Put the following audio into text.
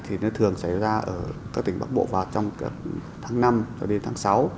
thì nó thường xảy ra ở các tỉnh bắc bộ vào trong tháng năm cho đến tháng sáu